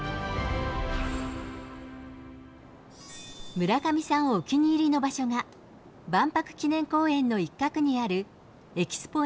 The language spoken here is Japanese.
村上さん、お気に入りの場所が万博記念公園の一角にあるＥＸＰＯ